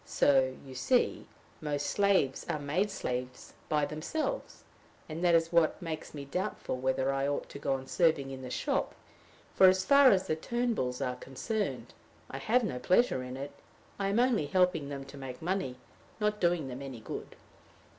So, you see, most slaves are made slaves by themselves; and that is what makes me doubtful whether I ought to go on serving in the shop; for, as far as the Turnbulls are concerned, I have no pleasure in it; I am only helping them to make money, not doing them any good."